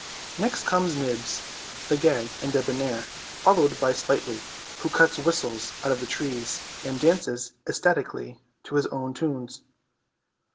Next comes Nibs, the gay and debonair, followed by Slightly, who cuts whistles out of the trees and dances ecstatically to his own tunes.